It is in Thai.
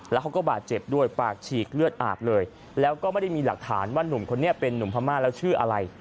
แล้วเขาก็บาดเจ็บด้วยปากฉีกเลือดอาบเลยแล้วก็ไม่ได้มีหลักฐานว่านุ่มคนนี้เป็นนุ่มพม่าแล้วชื่ออะไร